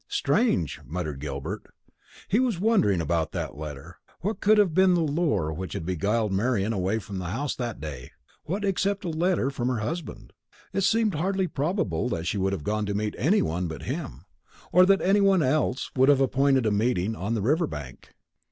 "Strange!" muttered Gilbert. He was wondering about that letter: what could have been the lure which had beguiled Marian away from the house that day; what except a letter from her husband? It seemed hardly probable that she would have gone to meet any one but him, or that any one else would have appointed a meeting on the river bank.